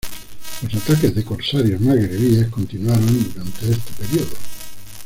Los ataques de corsarios magrebíes continuaron durante este periodo.